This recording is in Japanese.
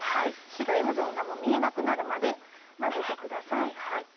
白い部分が見えなくなるまで混ぜてください。